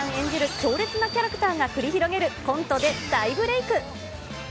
強烈なキャラクターが繰り広げるコントで、大ブレーク。